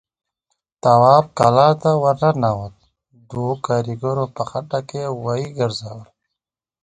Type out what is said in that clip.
تواب کلا ته ور ننوت، دوو کاريګرو په خټه کې غوايي ګرځول.